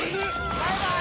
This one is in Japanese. バイバーイ！